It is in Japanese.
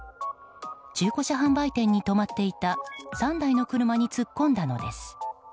中古車販売店に止まっていた３台の車に突っ込んだのです。